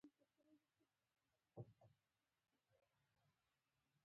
ما غوښتل د خپل هیواد آبرو خوندي کړم.